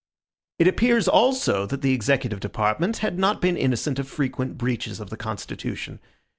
It appears, also, that the executive department had not been innocent of frequent breaches of the constitution.